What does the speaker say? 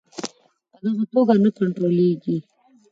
په دغه توګه نه کنټرولیږي.